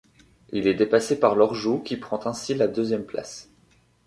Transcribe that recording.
Il est dépassé par Lorgeou, qui prend ainsi la deuxième place.